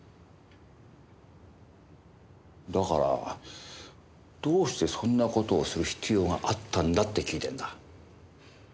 だからどうしてそんな事をする必要があったんだって聞いてんだ。